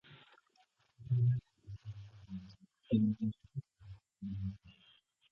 Excessive drinking can lead to alcoholism, impaired judgment, and risky behavior.